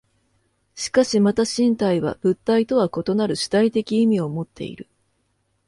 しかしまた身体は物体とは異なる主体的意味をもっている。